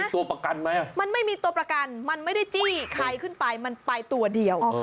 ตัวประกันไหมมันไม่มีตัวประกันมันไม่ได้จี้ใครขึ้นไปมันไปตัวเดียว